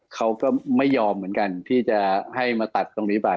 เขาก็ไม่ยอมเหมือนกันที่จะให้มาตัดตรงนี้ไป